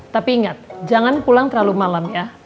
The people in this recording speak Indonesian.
tapi ingat jangan pulang terlalu malam ya